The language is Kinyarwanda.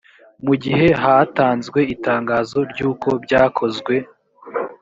mu gihe hatanzwe itangazo ry uko byakozwe